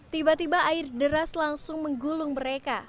tiba tiba air deras langsung menggulung mereka